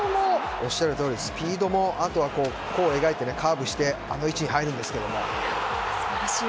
おっしゃるとおりスピードも弧を描いて、カーブしてあの位置に入るんですが。